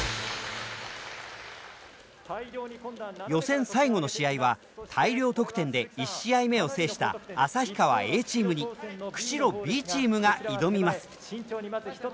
予選最後の試合は大量得点で１試合目を制した旭川Ａチームに釧路Ｂチームが挑みます。